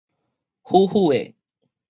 拊拊的